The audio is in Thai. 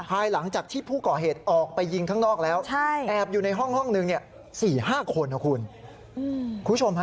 ภายหลังจากที่ผู้ก่อเหตุออกไปยิงข้างนอกแล้วแอบอยู่ในห้องนึง๔๕คนนะคุณผู้ชมฮะ